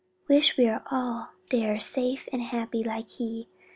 "Wish we all dere, safe an' happy like he!